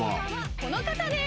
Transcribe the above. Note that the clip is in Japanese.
この方です。